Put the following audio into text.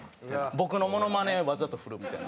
僕のモノマネをわざと振るみたいな。